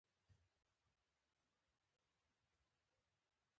ما ورته وویل هېڅ شی هم نه دي چاپ شوي.